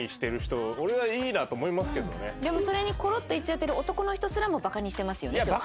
でもそれにコロッといっちゃってる男の人すらもバカにしてますよねちょっと。